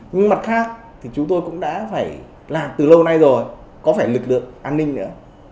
nhưng mặt khác thì chúng tôi cũng đã phải làm từ lâu nay rồi có phải lực lượng an ninh nữa